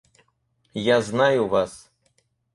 Я знаю вас.